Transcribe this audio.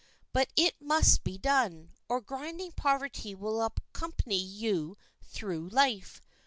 But it must be done, or grinding poverty will accompany you through life.